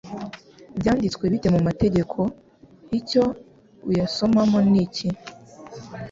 «Byanditswe bite mu mategeko? Icyo uyasomamo ni iki?